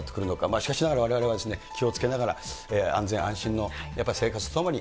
しかしながら、われわれは気をつけながら、安全安心のやっぱり生活とともに、